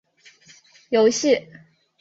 游戏